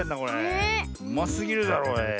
うますぎるだろおい。